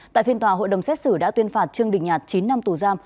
tại phiên tòa hội đồng xét xử đã tuyên phạt trương đình nhạt chín năm tù giam